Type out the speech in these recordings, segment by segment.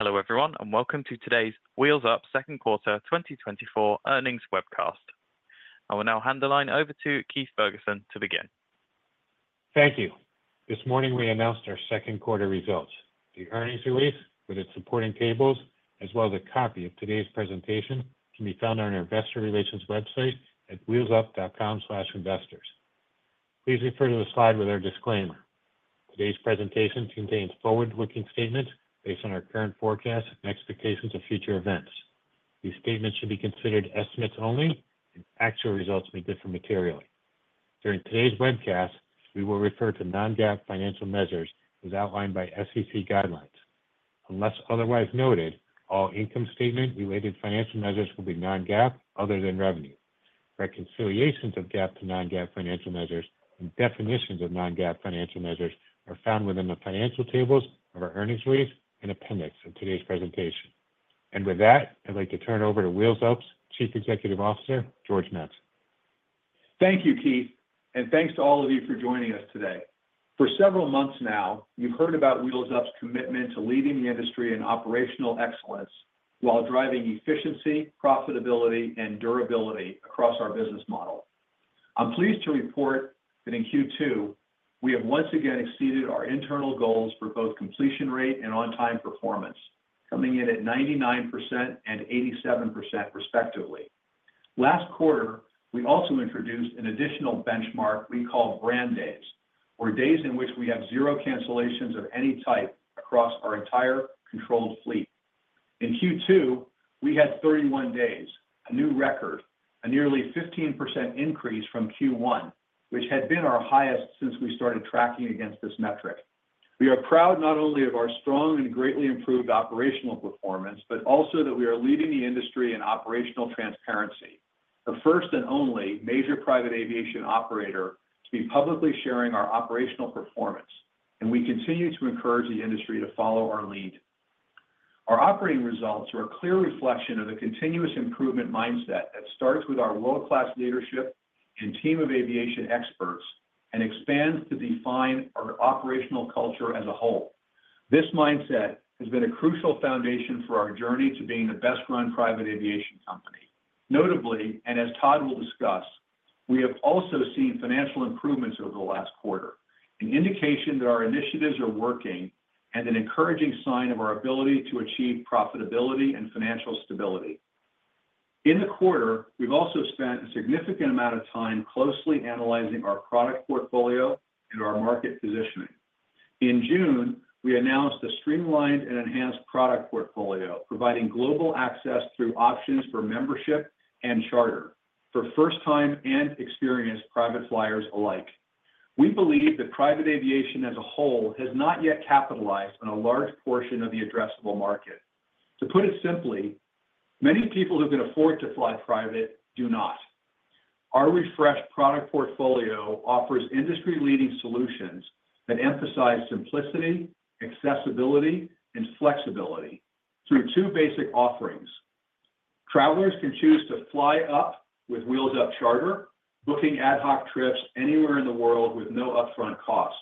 Hello, everyone, and welcome to today's Wheels Up second quarter 2024 earnings webcast. I will now hand the line over to Keith Ferguson to begin. Thank you. This morning, we announced our second quarter results. The earnings release, with its supporting tables, as well as a copy of today's presentation, can be found on our investor relations website at wheelsup.com/investors. Please refer to the slide with our disclaimer. Today's presentation contains forward-looking statements based on our current forecasts and expectations of future events. These statements should be considered estimates only, and actual results may differ materially. During today's webcast, we will refer to non-GAAP financial measures as outlined by SEC guidelines. Unless otherwise noted, all income statement related financial measures will be non-GAAP, other than revenue. Reconciliations of GAAP to non-GAAP financial measures and definitions of non-GAAP financial measures are found within the financial tables of our earnings release and appendix in today's presentation. With that, I'd like to turn it over to Wheels Up's Chief Executive Officer, George Mattson. Thank you, Keith, and thanks to all of you for joining us today. For several months now, you've heard about Wheels Up's commitment to leading the industry in operational excellence while driving efficiency, profitability, and durability across our business model. I'm pleased to report that in Q2, we have once again exceeded our internal goals for both completion rate and on-time performance, coming in at 99% and 87%, respectively. Last quarter, we also introduced an additional benchmark we call Brand Days, or days in which we have zero cancellations of any type across our entire controlled fleet. In Q2, we had 31 days, a new record, a nearly 15% increase from Q1, which had been our highest since we started tracking against this metric. We are proud not only of our strong and greatly improved operational performance, but also that we are leading the industry in operational transparency. The first and only major private aviation operator to be publicly sharing our operational performance, and we continue to encourage the industry to follow our lead. Our operating results are a clear reflection of the continuous improvement mindset that starts with our world-class leadership and team of aviation experts, and expands to define our operational culture as a whole. This mindset has been a crucial foundation for our journey to being the best-run private aviation company. Notably, and as Todd will discuss, we have also seen financial improvements over the last quarter, an indication that our initiatives are working and an encouraging sign of our ability to achieve profitability and financial stability. In the quarter, we've also spent a significant amount of time closely analyzing our product portfolio and our market positioning. In June, we announced a streamlined and enhanced product portfolio, providing global access through options for membership and charter for first-time and experienced private flyers alike. We believe that private aviation as a whole has not yet capitalized on a large portion of the addressable market. To put it simply, many people who can afford to fly private, do not. Our refreshed product portfolio offers industry-leading solutions that emphasize simplicity, accessibility, and flexibility through two basic offerings. Travelers can choose to fly up with Wheels Up Charter, booking ad hoc trips anywhere in the world with no upfront cost,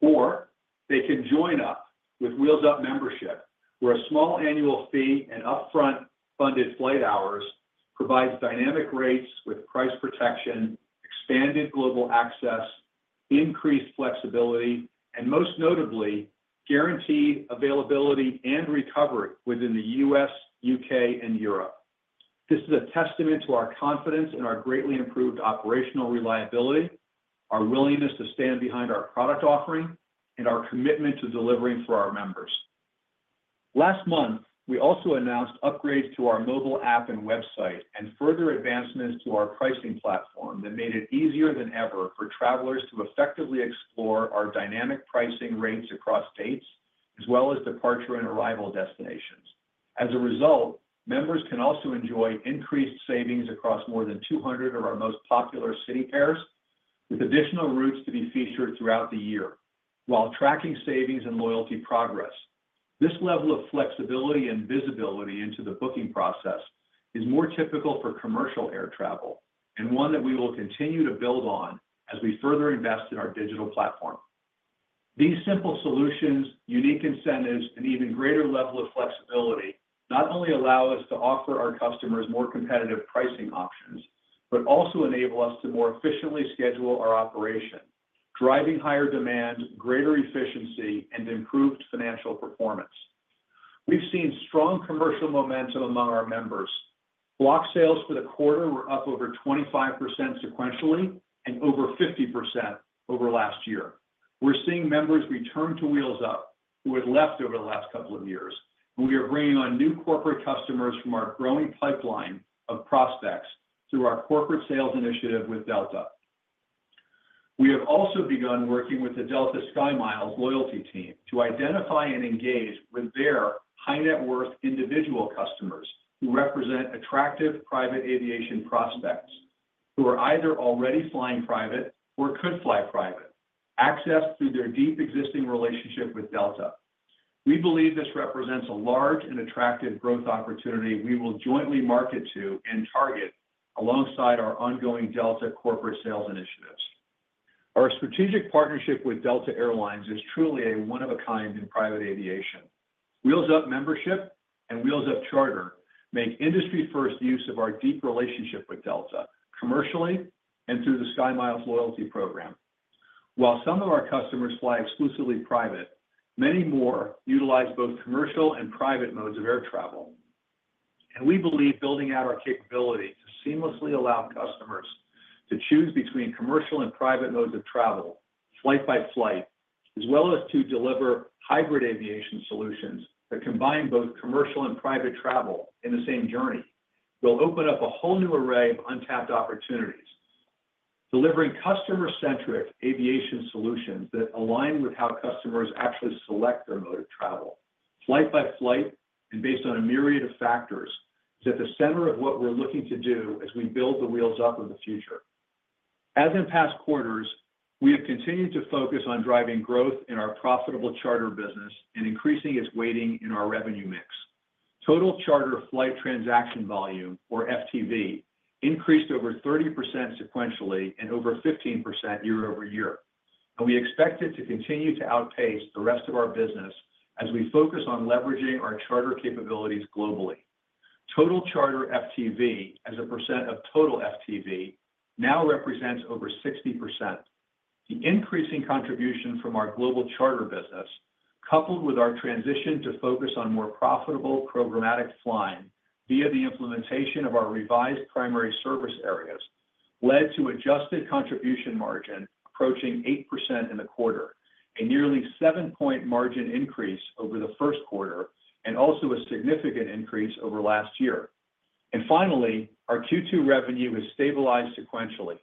or they can join up with Wheels Up Membership, where a small annual fee and upfront funded flight hours provides dynamic rates with price protection, expanded global access, increased flexibility, and most notably, guaranteed availability and recovery within the U.S., U.K., and Europe. This is a testament to our confidence in our greatly improved operational reliability, our willingness to stand behind our product offering, and our commitment to delivering for our members. Last month, we also announced upgrades to our mobile app and website, and further advancements to our pricing platform that made it easier than ever for travelers to effectively explore our dynamic pricing rates across dates, as well as departure and arrival destinations. As a result, members can also enjoy increased savings across more than 200 of our most popular city pairs, with additional routes to be featured throughout the year while tracking savings and loyalty progress. This level of flexibility and visibility into the booking process is more typical for commercial air travel, and one that we will continue to build on as we further invest in our digital platform. These simple solutions, unique incentives, and even greater level of flexibility, not only allow us to offer our customers more competitive pricing options, but also enable us to more efficiently schedule our operation, driving higher demand, greater efficiency, and improved financial performance. We've seen strong commercial momentum among our members. Block sales for the quarter were up over 25% sequentially and over 50% over last year. We're seeing members return to Wheels Up, who had left over the last couple of years, and we are bringing on new corporate customers from our growing pipeline of prospects through our corporate sales initiative with Delta. We have also begun working with the Delta SkyMiles loyalty team to identify and engage with their high-net-worth individual customers, who represent attractive private aviation prospects, who are either already flying private or could fly private, accessed through their deep existing relationship with Delta. We believe this represents a large and attractive growth opportunity we will jointly market to and target alongside our ongoing Delta corporate sales initiatives. Our strategic partnership with Delta Air Lines is truly a one-of-a-kind in private aviation. Wheels Up Membership and Wheels Up Charter make industry first use of our deep relationship with Delta, commercially and through the SkyMiles loyalty program. While some of our customers fly exclusively private, many more utilize both commercial and private modes of air travel. We believe building out our capability to seamlessly allow customers to choose between commercial and private modes of travel, flight by flight, as well as to deliver hybrid aviation solutions that combine both commercial and private travel in the same journey, will open up a whole new array of untapped opportunities. Delivering customer-centric aviation solutions that align with how customers actually select their mode of travel, flight by flight, and based on a myriad of factors, is at the center of what we're looking to do as we build the Wheels Up of the future. As in past quarters, we have continued to focus on driving growth in our profitable charter business and increasing its weighting in our revenue mix. Total charter flight transaction volume, or FTV, increased over 30% sequentially and over 15% year-over-year, and we expect it to continue to outpace the rest of our business as we focus on leveraging our charter capabilities globally. Total charter FTV, as a percent of total FTV, now represents over 60%. The increasing contribution from our global charter business, coupled with our transition to focus on more profitable programmatic flying via the implementation of our revised Primary Service Areas, led to adjusted contribution margin approaching 8% in the quarter, a nearly 7-point margin increase over the first quarter, and also a significant increase over last year. Finally, our Q2 revenue has stabilized sequentially,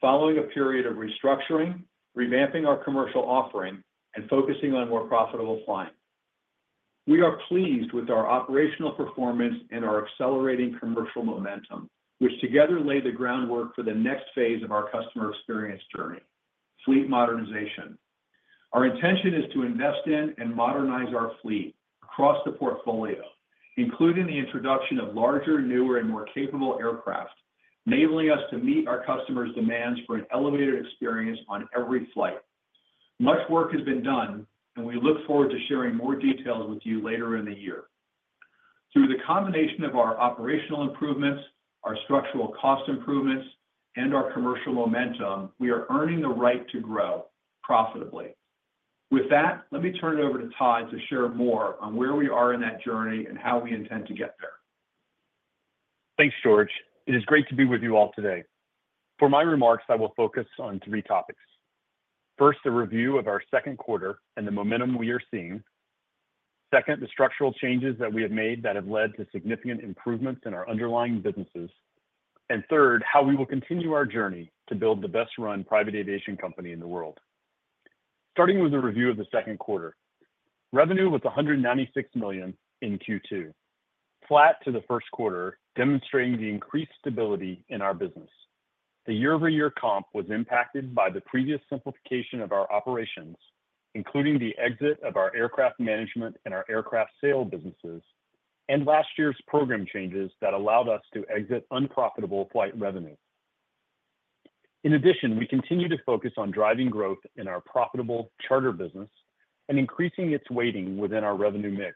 following a period of restructuring, revamping our commercial offering, and focusing on more profitable flying. We are pleased with our operational performance and our accelerating commercial momentum, which together lay the groundwork for the next phase of our customer experience journey, fleet modernization. Our intention is to invest in and modernize our fleet across the portfolio, including the introduction of larger, newer, and more capable aircraft, enabling us to meet our customers' demands for an elevated experience on every flight. Much work has been done, and we look forward to sharing more details with you later in the year. Through the combination of our operational improvements, our structural cost improvements, and our commercial momentum, we are earning the right to grow profitably. With that, let me turn it over to Todd to share more on where we are in that journey and how we intend to get there. Thanks, George. It is great to be with you all today. For my remarks, I will focus on three topics. First, a review of our second quarter and the momentum we are seeing. Second, the structural changes that we have made that have led to significant improvements in our underlying businesses. And third, how we will continue our journey to build the best-run private aviation company in the world. Starting with a review of the second quarter. Revenue was $196 million in Q2, flat to the first quarter, demonstrating the increased stability in our business. The year-over-year comp was impacted by the previous simplification of our operations, including the exit of our aircraft management and our aircraft sale businesses, and last year's program changes that allowed us to exit unprofitable flight revenue. In addition, we continue to focus on driving growth in our profitable charter business and increasing its weighting within our revenue mix.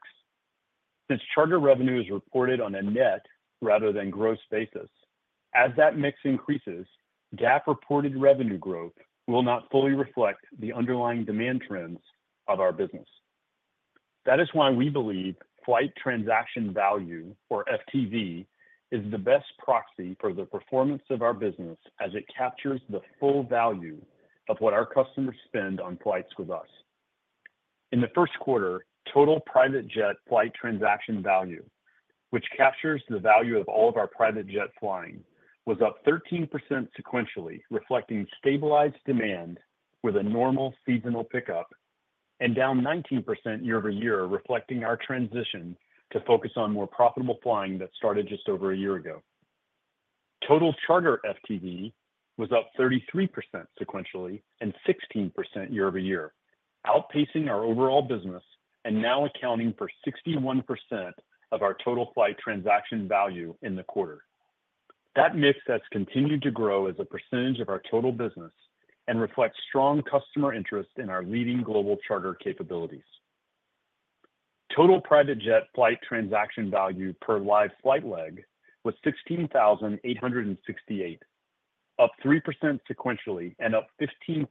Since charter revenue is reported on a net rather than gross basis, as that mix increases, GAAP-reported revenue growth will not fully reflect the underlying demand trends of our business. That is why we believe flight transaction value, or FTV, is the best proxy for the performance of our business, as it captures the full value of what our customers spend on flights with us. In the first quarter, total private jet flight transaction value, which captures the value of all of our private jet flying, was up 13% sequentially, reflecting stabilized demand with a normal seasonal pickup, and down 19% year-over-year, reflecting our transition to focus on more profitable flying that started just over a year ago. Total charter FTV was up 33% sequentially and 16% year-over-year, outpacing our overall business and now accounting for 61% of our total flight transaction value in the quarter. That mix has continued to grow as a percentage of our total business and reflects strong customer interest in our leading global charter capabilities. Total private jet flight transaction value per live flight leg was $16,868, up 3% sequentially and up 15%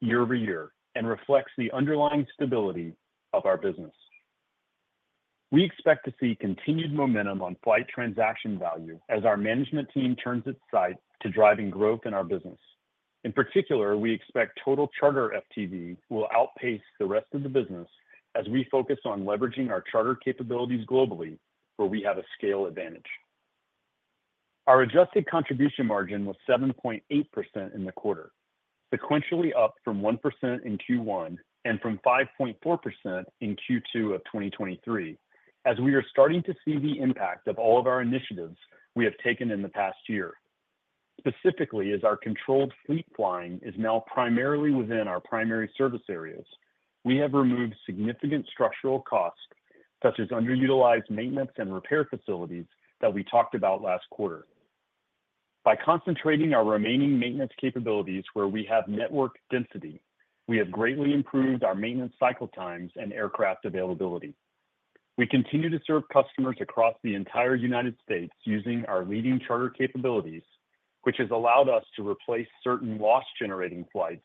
year-over-year, and reflects the underlying stability of our business. We expect to see continued momentum on flight transaction value as our management team turns its sights to driving growth in our business. In particular, we expect total charter FTV will outpace the rest of the business as we focus on leveraging our charter capabilities globally, where we have a scale advantage. Our adjusted contribution margin was 7.8% in the quarter, sequentially up from 1% in Q1, and from 5.4% in Q2 of 2023. As we are starting to see the impact of all of our initiatives we have taken in the past year. Specifically, as our controlled fleet flying is now primarily within our Primary Service Areas, we have removed significant structural cost such as underutilized maintenance and repair facilities that we talked about last quarter. By concentrating our remaining maintenance capabilities where we have network density, we have greatly improved our maintenance cycle times and aircraft availability. We continue to serve customers across the entire United States using our leading charter capabilities, which has allowed us to replace certain loss-generating flights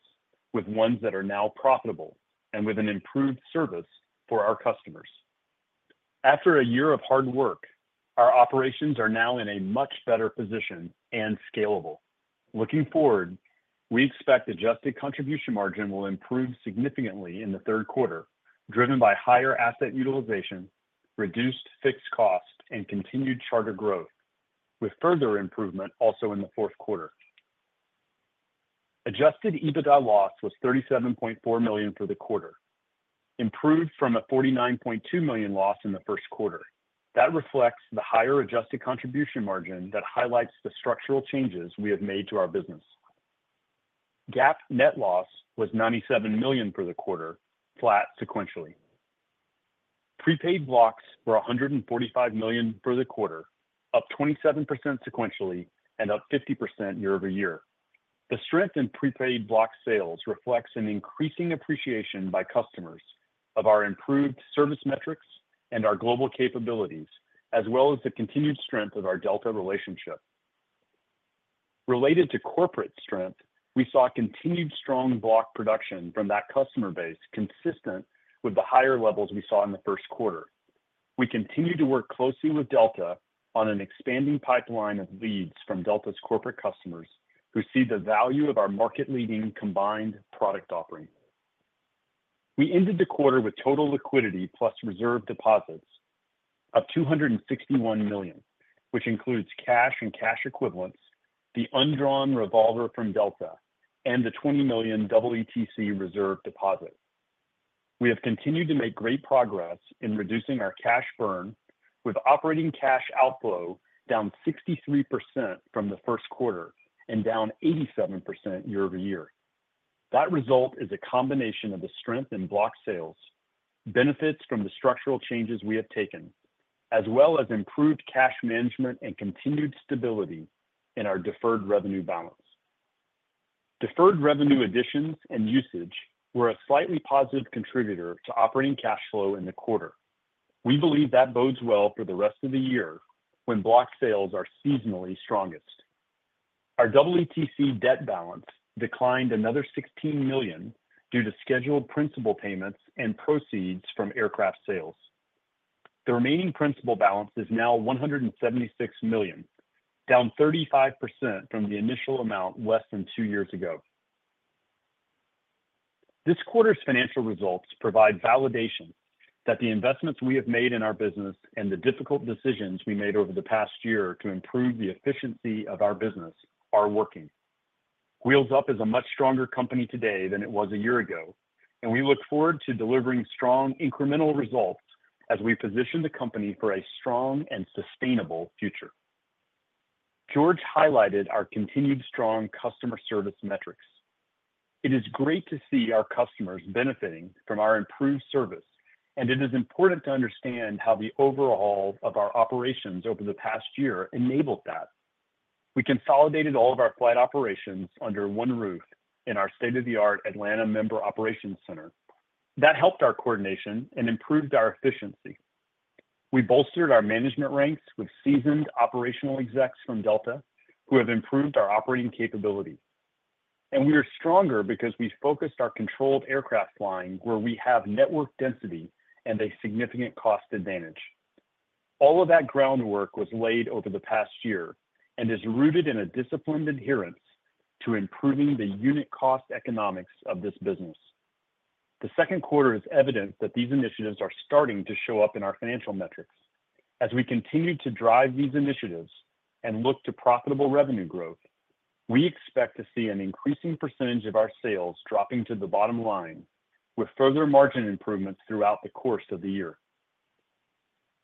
with ones that are now profitable and with an improved service for our customers. After a year of hard work, our operations are now in a much better position and scalable. Looking forward, we expect adjusted contribution margin will improve significantly in the third quarter, driven by higher asset utilization, reduced fixed costs, and continued charter growth, with further improvement also in the fourth quarter. Adjusted EBITDA loss was $37.4 million for the quarter, improved from a $49.2 million loss in the first quarter. That reflects the higher adjusted contribution margin that highlights the structural changes we have made to our business. GAAP net loss was $97 million for the quarter, flat sequentially. Prepaid blocks were $145 million for the quarter, up 27% sequentially and up 50% year-over-year. The strength in prepaid block sales reflects an increasing appreciation by customers of our improved service metrics and our global capabilities, as well as the continued strength of our Delta relationship. Related to corporate strength, we saw continued strong block production from that customer base, consistent with the higher levels we saw in the first quarter. We continue to work closely with Delta on an expanding pipeline of leads from Delta's corporate customers, who see the value of our market-leading combined product offering. We ended the quarter with total liquidity plus reserve deposits of $261 million, which includes cash and cash equivalents, the undrawn revolver from Delta, and the $20 million WETC reserve deposit. We have continued to make great progress in reducing our cash burn, with operating cash outflow down 63% from the first quarter and down 87% year-over-year. That result is a combination of the strength in block sales, benefits from the structural changes we have taken, as well as improved cash management and continued stability in our deferred revenue balance. Deferred revenue additions and usage were a slightly positive contributor to operating cash flow in the quarter. We believe that bodes well for the rest of the year when block sales are seasonally strongest. Our WETC debt balance declined another $16 million due to scheduled principal payments and proceeds from aircraft sales. The remaining principal balance is now $176 million, down 35% from the initial amount less than two years ago. This quarter's financial results provide validation that the investments we have made in our business and the difficult decisions we made over the past year to improve the efficiency of our business are working. Wheels Up is a much stronger company today than it was a year ago, and we look forward to delivering strong incremental results as we position the company for a strong and sustainable future. George highlighted our continued strong customer service metrics. It is great to see our customers benefiting from our improved service, and it is important to understand how the overhaul of our operations over the past year enabled that. We consolidated all of our flight operations under one roof in our state-of-the-art Atlanta Member Operations Center. That helped our coordination and improved our efficiency. We bolstered our management ranks with seasoned operational execs from Delta, who have improved our operating capability. We are stronger because we focused our controlled aircraft flying where we have network density and a significant cost advantage. All of that groundwork was laid over the past year and is rooted in a disciplined adherence to improving the unit cost economics of this business. The second quarter is evident that these initiatives are starting to show up in our financial metrics. As we continue to drive these initiatives and look to profitable revenue growth, we expect to see an increasing percentage of our sales dropping to the bottom line, with further margin improvements throughout the course of the year.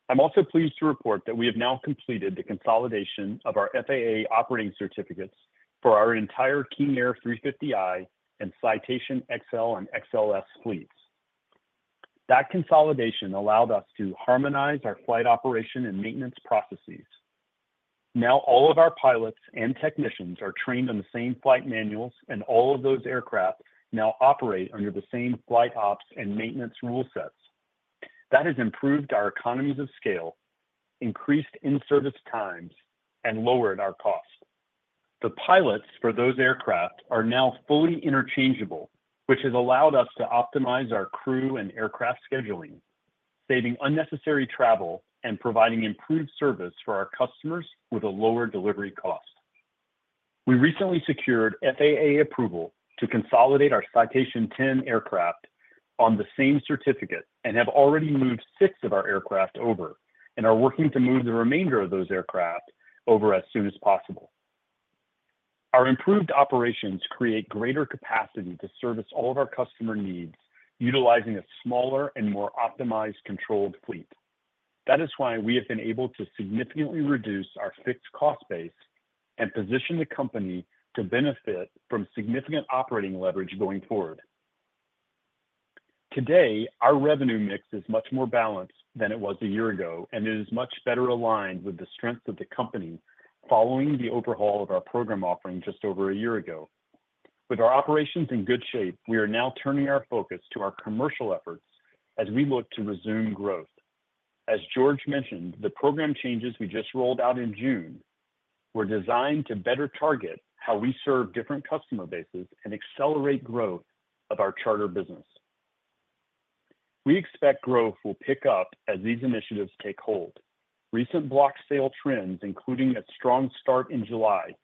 I'm also pleased to report that we have now completed the consolidation of our FAA operating certificates for our entire King Air 350i and Citation Excel and XLS fleets. That consolidation allowed us to harmonize our flight operation and maintenance processes. Now, all of our pilots and technicians are trained on the same flight manuals, and all of those aircraft now operate under the same flight ops and maintenance rule sets. That has improved our economies of scale, increased in-service times, and lowered our costs. The pilots for those aircraft are now fully interchangeable, which has allowed us to optimize our crew and aircraft scheduling, saving unnecessary travel and providing improved service for our customers with a lower delivery cost. We recently secured FAA approval to consolidate our Citation X aircraft on the same certificate and have already moved 6 of our aircraft over and are working to move the remainder of those aircraft over as soon as possible. Our improved operations create greater capacity to service all of our customer needs, utilizing a smaller and more optimized controlled fleet. That is why we have been able to significantly reduce our fixed cost base and position the company to benefit from significant operating leverage going forward. Today, our revenue mix is much more balanced than it was a year ago, and it is much better aligned with the strength of the company following the overhaul of our program offering just over a year ago. With our operations in good shape, we are now turning our focus to our commercial efforts as we look to resume growth. As George mentioned, the program changes we just rolled out in June were designed to better target how we serve different customer bases and accelerate growth of our charter business. We expect growth will pick up as these initiatives take hold. Recent block sales trends, including a strong start in July,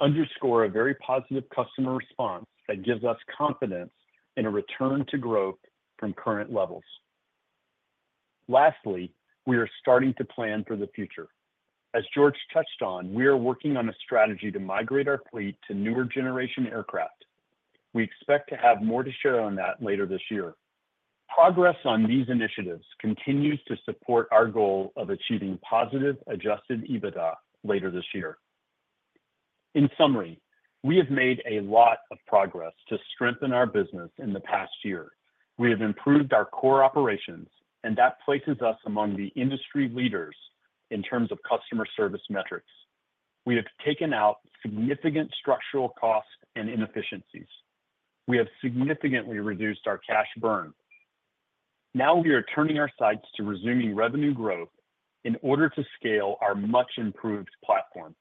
underscore a very positive customer response that gives us confidence in a return to growth from current levels. Lastly, we are starting to plan for the future. As George touched on, we are working on a strategy to migrate our fleet to newer generation aircraft. We expect to have more to share on that later this year. Progress on these initiatives continues to support our goal of achieving positive adjusted EBITDA later this year. In summary, we have made a lot of progress to strengthen our business in the past year. We have improved our core operations, and that places us among the industry leaders in terms of customer service metrics. We have taken out significant structural costs and inefficiencies. We have significantly reduced our cash burn. Now we are turning our sights to resuming revenue growth in order to scale our much-improved platform.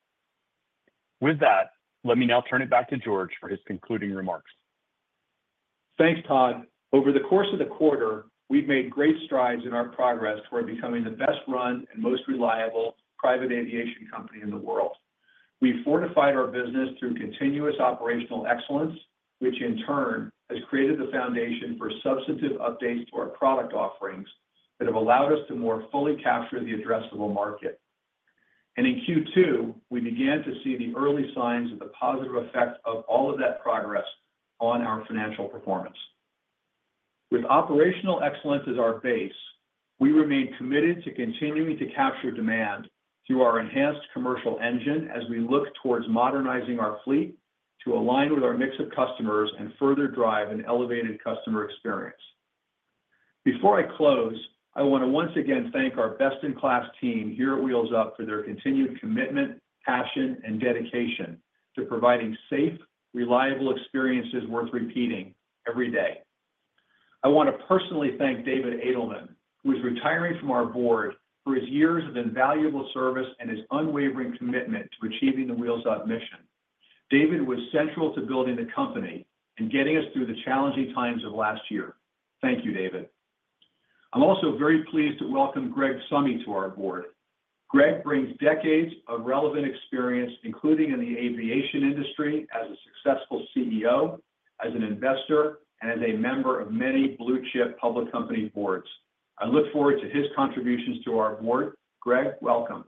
With that, let me now turn it back to George for his concluding remarks. Thanks, Todd. Over the course of the quarter, we've made great strides in our progress toward becoming the best-run and most reliable private aviation company in the world. We fortified our business through continuous operational excellence, which in turn has created the foundation for substantive updates to our product offerings that have allowed us to more fully capture the addressable market. And in Q2, we began to see the early signs of the positive effects of all of that progress on our financial performance. With operational excellence as our base, we remain committed to continuing to capture demand through our enhanced commercial engine as we look towards modernizing our fleet to align with our mix of customers and further drive an elevated customer experience. Before I close, I want to once again thank our best-in-class team here at Wheels Up for their continued commitment, passion, and dedication to providing safe, reliable experiences worth repeating every day. I want to personally thank David Adelman, who is retiring from our board, for his years of invaluable service and his unwavering commitment to achieving the Wheels Up mission. David was central to building the company and getting us through the challenging times of last year. Thank you, David. I'm also very pleased to welcome Greg Summe to our board. Greg brings decades of relevant experience, including in the aviation industry as a successful CEO, as an investor, and as a member of many blue-chip public company boards. I look forward to his contributions to our board. Greg, welcome.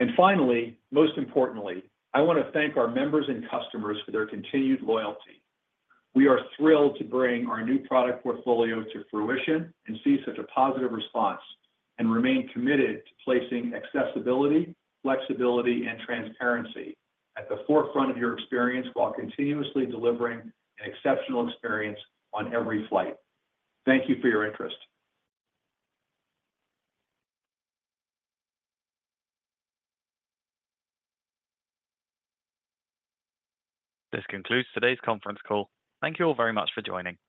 And finally, most importantly, I want to thank our members and customers for their continued loyalty. We are thrilled to bring our new product portfolio to fruition and see such a positive response, and remain committed to placing accessibility, flexibility, and transparency at the forefront of your experience, while continuously delivering an exceptional experience on every flight. Thank you for your interest. This concludes today's conference call. Thank you all very much for joining.